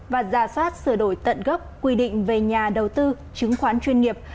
và giả soát sửa đổi tận gốc quy định về nhà đầu tư chứng khoán chuyên nghiệp